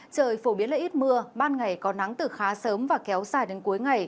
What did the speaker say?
trời phổ biến là ít mưa ban ngày có nắng từ khá sớm và kéo dài đến cuối ngày